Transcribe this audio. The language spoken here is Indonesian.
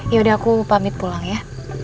yaudah aku pamit pulang ya